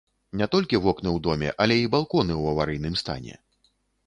Не толькі вокны ў доме, але і балконы ў аварыйным стане.